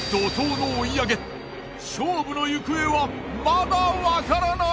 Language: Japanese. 勝負の行方はまだわからない！